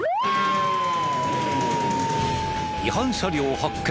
違反車両発見！